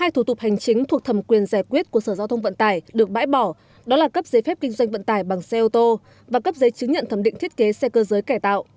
một mươi thủ tục hành chính thuộc thẩm quyền giải quyết của sở giao thông vận tải được bãi bỏ đó là cấp giấy phép kinh doanh vận tải bằng xe ô tô và cấp giấy chứng nhận thẩm định thiết kế xe cơ giới cải tạo